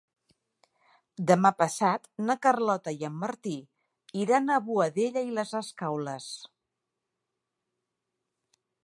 Demà passat na Carlota i en Martí iran a Boadella i les Escaules.